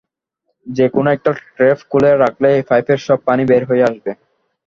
যে-কোনো একটা ট্র্যাপ খুলে রাখলেই পাইপের সব পানি বের হয়ে আসবে।